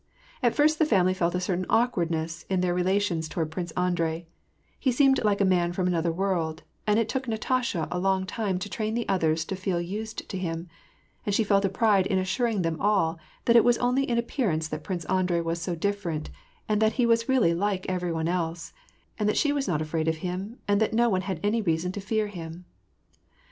At first the family felt a certain awkwardness in their relations toward Prince Andrei: he seemed like a man from another world, and it took Natasha a long time to train the others to feel used to him ; and she felt a pride in assuring them all that it was only in appearance that Prince Andrei was so diffei ent, and that he was really like every one else, and that she was not afraid of him, and that no one had any reason to fear him.